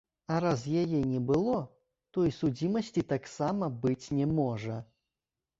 А раз яе не было, то і судзімасці таксама быць не можа.